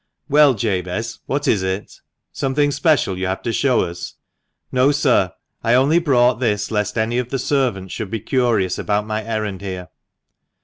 "Well, Jabez, what is it? Something special you have to show us?" THE MANCHESTER MAN. I^^ " No, sir ; I only brought this lest any of the servants should be curious about my errand here."